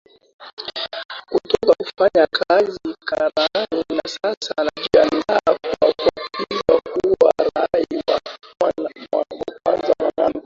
Kutoka kufanya kazi kama Karani na sasa anajiandaa kuapishwa kuwa Rais wa kwanza Mwanamke